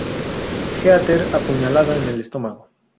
Heather: Apuñalada en el estómago.